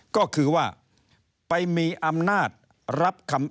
ก็คือว่าไปมีอำนาจรับคำ